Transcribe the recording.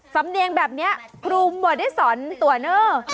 สำเนียงแบบนี้ครูหมดได้สอนตัวเนอร์